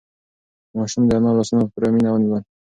ماشوم د انا لاسونه په پوره مینه ونیول.